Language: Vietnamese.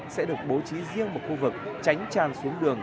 sẽ được bố trí riêng một khu vực tránh tràn xuống đường